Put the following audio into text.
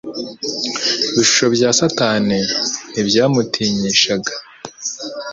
Ibishuko bya Satani ntibyamutinyishaga.